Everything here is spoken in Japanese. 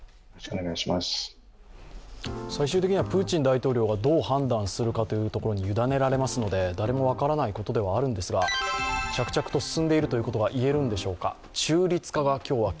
最終的にはプーチン大統領がどう判断するのかというところに委ねられますので誰も分からないことではあるんですが着々と進んでいるということが言えるんでしょうか。